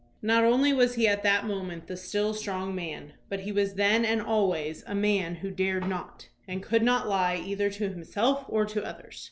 Not only was he at that moment the "still strong man," but he was then and always a man who " dared not" and could not lie either to himself or to others.